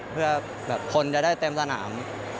เพื่อแบบคนจะได้เต็มสนาม